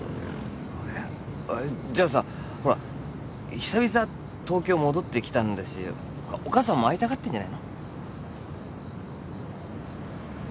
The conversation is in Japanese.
いやあっじゃあさほら久々東京戻ってきたんだしほらお母さんも会いたがってんじゃないの？